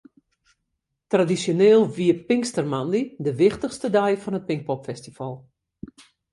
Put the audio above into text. Tradisjoneel wie pinkstermoandei de wichtichste dei fan it Pinkpopfestival.